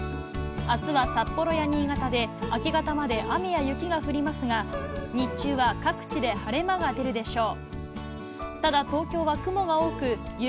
あすは札幌や新潟で明け方まで雨や雪が降りますが、日中は各地で晴れ間が出るでしょう。